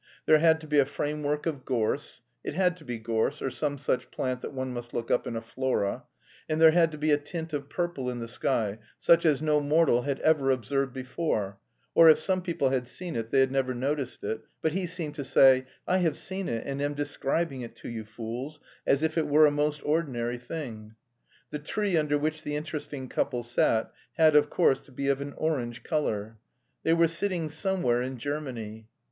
There had to be a framework of gorse (it had to be gorse or some such plant that one must look up in a flora) and there had to be a tint of purple in the sky, such as no mortal had ever observed before, or if some people had seen it, they had never noticed it, but he seemed to say, "I have seen it and am describing it to you, fools, as if it were a most ordinary thing." The tree under which the interesting couple sat had of course to be of an orange colour. They were sitting somewhere in Germany.